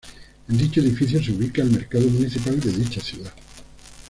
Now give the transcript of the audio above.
En dicho edificio se ubica el mercado municipal de dicha ciudad.